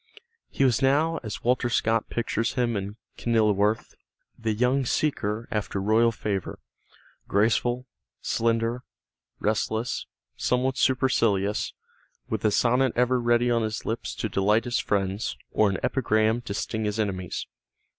He was now, as Walter Scott pictures him in "Kenilworth," the young seeker after royal favor, graceful, slender, restless, somewhat supercilious, with a sonnet ever ready on his lips to delight his friends or an epigram to sting his enemies.